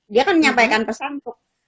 dia kan menyampaikan pesan kok